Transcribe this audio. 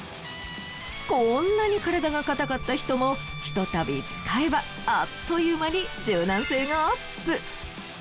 こんなに体が硬かった人も一たび使えばあっというまに柔軟性がアップ。